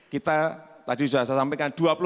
kita tadi sudah saya sampaikan dua puluh tiga